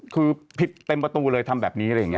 คือผิดเต็มประตูเลยทำแบบนี้อะไรอย่างนี้